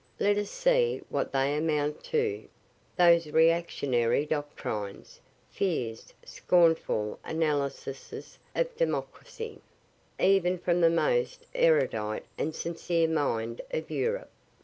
Let us see what they amount to those reactionary doctrines, fears, scornful analyses of democracy even from the most erudite and sincere mind of Europe.